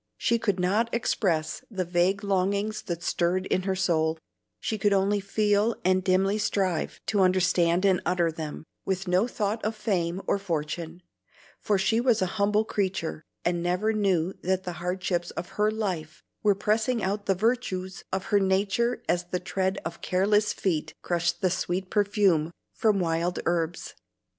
She could not express the vague longings that stirred in her soul; she could only feel and dimly strive to understand and utter them, with no thought of fame or fortune, for she was a humble creature, and never knew that the hardships of her life were pressing out the virtues of her nature as the tread of careless feet crush the sweet perfume from wild herbs.